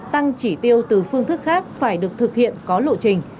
tăng chỉ tiêu từ phương thức khác phải được thực hiện có lộ trình